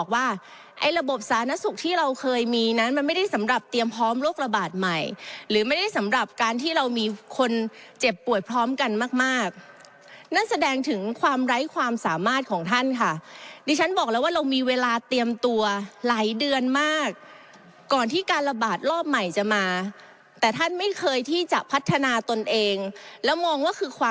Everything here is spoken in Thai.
ว่าไอ้ระบบสาธารณสุขที่เราเคยมีนั้นมันไม่ได้สำหรับเตรียมพร้อมโรคระบาดใหม่หรือไม่ได้สำหรับการที่เรามีคนเจ็บป่วยพร้อมกันมากมากนั่นแสดงถึงความไร้ความสามารถของท่านค่ะดิฉันบอกแล้วว่าเรามีเวลาเตรียมตัวหลายเดือนมากก่อนที่การระบาดรอบใหม่จะมาแต่ท่านไม่เคยที่จะพัฒนาตนเองแล้วมองว่าคือค